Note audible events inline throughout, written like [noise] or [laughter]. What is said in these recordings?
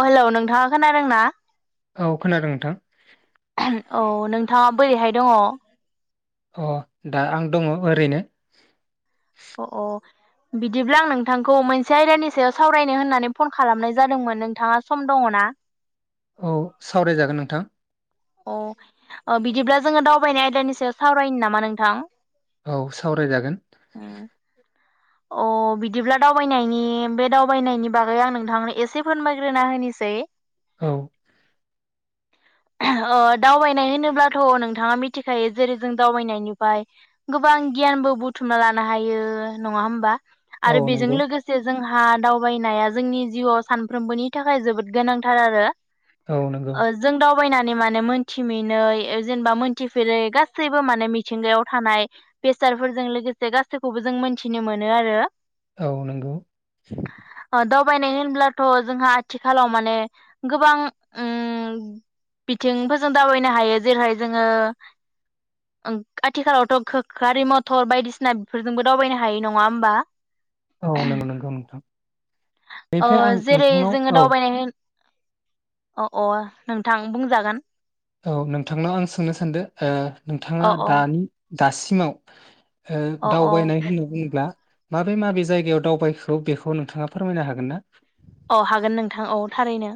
अ hello नोंथां खोनादों ना? औ खोनादों नोंथां। औ नोंथाङा बोरैहाय दङ? अ दा आं दङ ओरैनो। अ अ बिदिब्ला आं नोंथांखौ मोनसे आयदानि सायाव सावरायनो होननानै फन खालामनाय जादोंमोन नोंथाङा सम दङ ना? औ सावरायजागोन नोंथां। अ बिदिब्ला जोङो दावबायनाय आयदानि सायाव सावरायनो नामा नोंथां? औ सावरायजागोन। अ बिदिब्ला दावबायनायनि बे दावबायनायनि बागै आं नोंथांनो एसे फोरमायग्रोना होनिसै। औ ओ दावबायनाय होनोब्लाथ' नोंथाङा मिथिखायो जेरै जों दावबायनायनिफ्राय गोबां गियानबो बुथुमना लानो हायो। नङा होमबा? औ आरो बेजों नंगौ लोगोसे जोंहा हा दावबायनाया जोंनि जिउवाव सानफ्रोमबोनि थाखाय जोबोद गोनांथार आरो औ नंगौ। बायनानै माने मोनथि मोनै जेनेबा मोनथिफेरै गासैबो माने मिथिंगायाव थानाय बेसादफोरजों लोगोसे गासैखौबो जों मोन थिनो मोनो आरो औ नंगौ। ओ दावबायनाय होनब्लाथ' जोंहा आथिखालाव माने गोबां उम बिथिंफोरजों दावबायनो हायो जेरैाय जोङो आथिखालावथ' खो गारि मथर बायदिसिना बेफोरजोंबो दावबायनो हायो नङा होमबा? औ नंगौ नंगौ नोंथां। ओ बेनिफ्राय आं जेरै नोंथांनाव जोङो औ दावबायनाय अ अ नोंथां बुंजागोन। औ नोंथांनाव आं सोंनो सानदों ओ नोंथाङा अ अ दानि दासिमाव ओ अ अ दावबायनाय होनना बुङोब्ला माबे माबे जायगायाव दावबायखो बेखौ नोंथाङा फोरमायनो हागोन ना? अ हागोन नोंथां औ थारैनो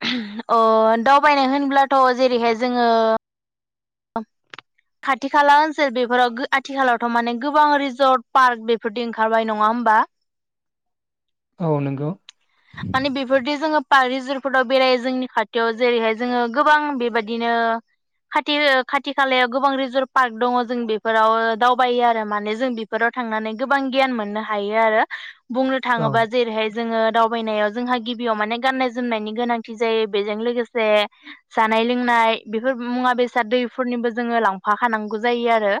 [unintelligible] अ दावबायनाय होनब्लाथ' जेरैहाय जोङो खाथि खाला ओनसोल बेफोराव गो आथिखालावथ' माने गोबां रिजर्ट पार्क बेफोरदि ओंखारबाय नङा होमबा? औ नंगौ। माने बेफोरदि जोङो पार्क रिजर्टफोराव बेरायो जोंनि खाथियाव जेरैहाय जोङो गोबां बेबायदिनो खाथि ओ खाथि खालायाव गोबां रिजर्ट पार्क दङ जों बेफोराव दावबायो आरो माने जों बेफोराव थांनानै गोबां गियान मोननो हायो आरो बुंनो औ थाङोबा जेरैहाय जोङो दाव बायनायाव जोंहा गिबियाव माने गाननाय जोमनायनि गोनांथि जायो बेजों लोगोसे जानाय लोंनाय बेफोर मुवा बेसाद दैफोरनिबो जोङो लांफाखानांगौ जायो आरो।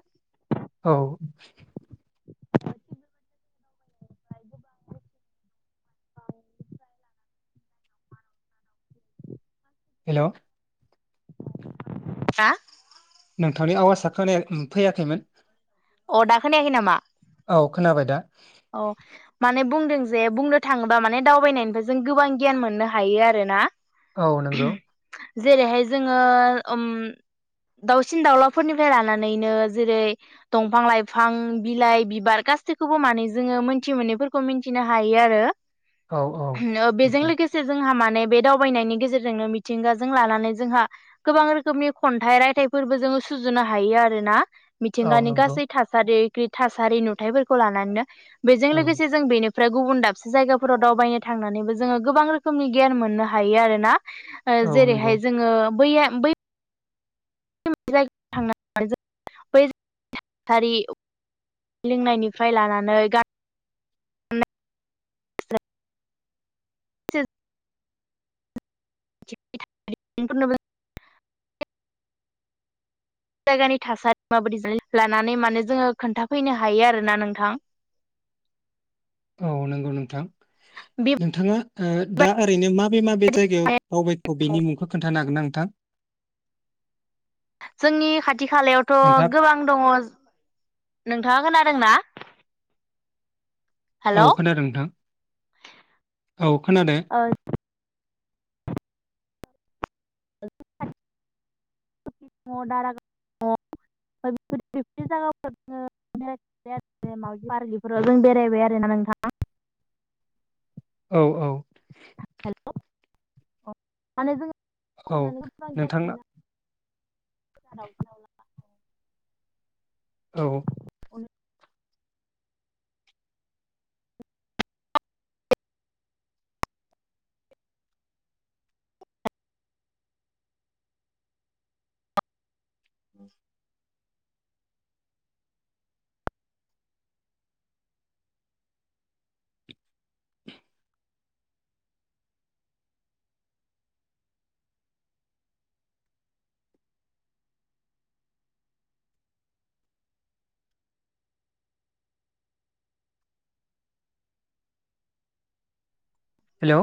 औ हेलौ हा नोंथांनि आवाजआ खोनाया फैयाखैमोन। अ दा खोनायाखै नामा? औ खोनाबाय दा औ माने बुंदों जे बुंनो थाङोबा माने दावबायनायनिफ्राय जों गोबां गियान मोननो हायो आरोना। औ नंगौ। जेरैहाय जोङो उम दाउसिन दाउलाफोरनिफ्राय लानानैनो जेरै दंफां-लाइफां बिलाइ बिबार गासैखौबो माने जोङो मोनथि मोनैफोरखौ मिथिनो हायो आरो। औ बेजों औ लोगोसे जोंहा माने बे दावबायनायनि गेजेरजोंनो मिथिंगाजों लानानै जोंहा गोबां रोखोमनि खन्थाइ रायथाइफोरबो जोङो सुजुनो हायो आरोना। औ मिथिंगानि नंगौ गासै थासारि थासारि नुथायाइफोरखौ लानानैनो बेजों औ लोगोसे जों बेनो ओमफ्राय गुबुन दाबसे जायगाफोराव दावबायनो थांनानैबो जोङो गोबां रोखोमनि गियान मोननो हायो आरोना। औ नंगौ जेरैहाय जोङो बैया बै [unintelligible] बै थासारि लोंनायनिफ्राय लानानै गा ज [inaudible] [unintelligible] जायगानि थासारि माबायदि लानानै माने जोङो खोन्थाफैनो हायो आरोना नोंथां। औ नंगौ नोंथां नोंथाङा दा बेबायदि ओरैनो माबे माबे जायगायाव दावबायथाव बेनि मुंखौ खोन्थानो हागोन नोंथां जोंनि खाथि खालायावथ' नोंथां गोबां दङ नों नोंथाङा खोनादोंना? औ हेलौ खोनादों नोंथां औ खोनादों। [inaudible] द दारागाव दङ बेफोर बेफोरदि जायगाफोर बेरायबाय आरो मावजि पारक बेफोराव जों बेरायबाय आरोना नोंथां। औ औ अ माने जों औ थांनानै [unintelligible] नोंथांना उनाव उनाव लाफा औ। ओम हेलौ।